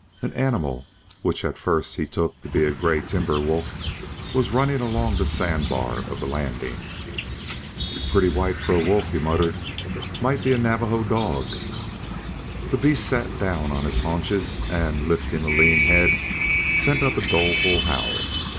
An animal, which at first he took to be a gray timber wolf, was running along the sand bar of the landing. "Pretty white for a wolf," he muttered. "Might be a Navajo dog." The beast sat down on his haunches and, lifting a lean head, sent up a doleful howl.